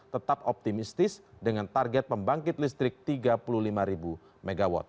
tetap optimistis dengan target pembangkit listrik tiga puluh lima mw